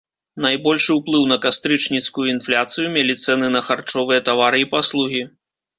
Найбольшы ўплыў на кастрычніцкую інфляцыю мелі цэны на харчовыя тавары і паслугі.